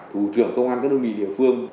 thủ trưởng công an các đơn vị địa phương